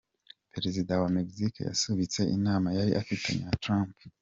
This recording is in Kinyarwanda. Perezida wa Mexique yasubitse inama yari afitanye na Trump.